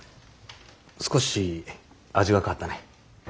少し味が変わったね。